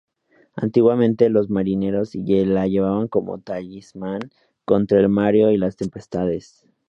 Antiguamente los marineros la llevaban como talismán contra el mareo y las tempestades.